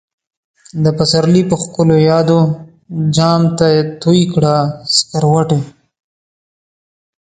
دپسرلی په ښکلو يادو، جام ته تويې کړه سکروټی